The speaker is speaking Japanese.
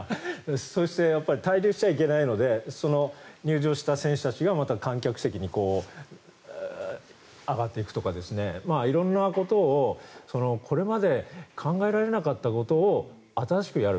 そして、滞留しちゃいけないので入場した選手たちが観客席に上がっていくとか色んなことをこれまで考えられなかったことを新しくやる。